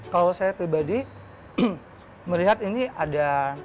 kalau saya pribadi melihat ini ada kesamaan mungkir